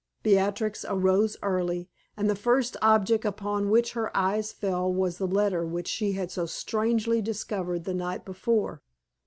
Beatrix arose early, and the first object upon which her eyes fell was the letter which she had so strangely discovered the night before.